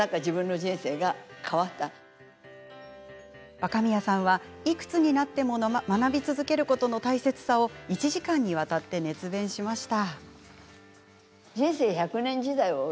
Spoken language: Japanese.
若宮さんは、いくつになっても学び続けることの大切さを１時間にわたって熱弁しました。